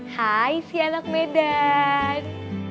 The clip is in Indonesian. hai si anak medan